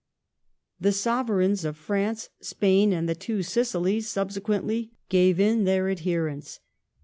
The Sovereigns of France, Spain, and the two Sicilies subsequently gave in their adherence.